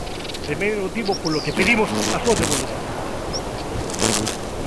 Primeiro motivo polo que pedimos a súa devolución.